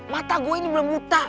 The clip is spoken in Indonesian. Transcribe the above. mata gue ini belum buta